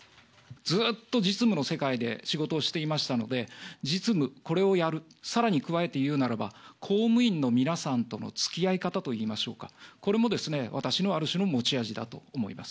ずっと実務の世界で仕事をしていましたので、実務、これをやる、さらに加えて言うならば、公務員の皆さんとのつきあい方といいましょうか、これも私のある種の持ち味だと思います。